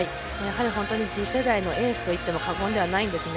次世代のエースといっても過言ではないんですね。